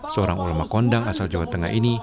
seorang ulama kondang asal jawa tengah ini